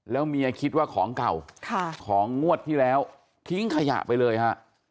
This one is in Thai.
แล้วเมียคิดว่าของเก่าของงวดที่แล้วทิ้งขยะไปเลยฮะ